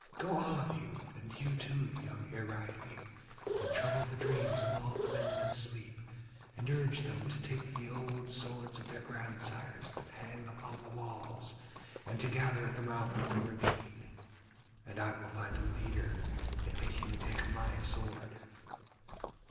Go all of you, and thou too, young Iraine, and trouble the dreams of all the men that sleep, and urge them to take the old swords of their grandsires that hang upon the walls, and to gather at the mouth of the ravine; and I will find a leader and make him take my sword.'